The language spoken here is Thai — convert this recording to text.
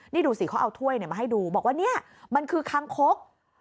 นี่ดูสิเขาเอาถ้วยมาให้ดูบอกว่าเนี่ยมันคือคางคก